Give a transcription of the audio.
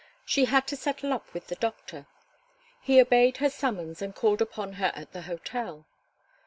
She had to settle up with the doctor. He obeyed her summons and called upon her at the hotel.